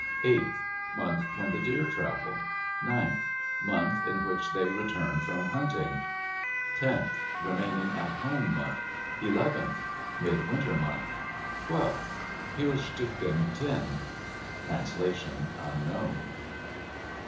Eighth.—Month when the deer travel. Ninth.—Month in which they return from hunting. Tenth.—Remaining at home month. Eleventh.—Midwinter month. Twelfth.—Pil tshik in tin (translation unknown).